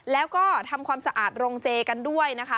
แล้วก็ทำความสะอาดโรงเจกันด้วยนะคะ